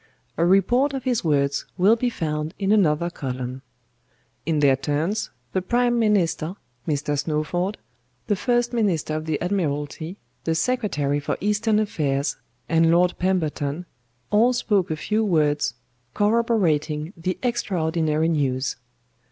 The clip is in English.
A report of his words will be found in another column. In their turns, the PRIME MINISTER, Mr. SNOWFORD, the FIRST MINISTER OF THE ADMIRALTY, THE SECRETARY FOR EASTERN AFFAIRS, and LORD PEMBERTON, all spoke a few words, corroborating the extraordinary news.